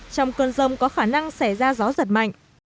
trong cơn rông có khả năng xảy ra gió giật mạnh